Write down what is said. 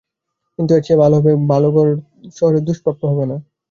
কিন্তু এর চেয়ে ভালো ঘর শহরে দুষ্প্রাপ্য হবে না।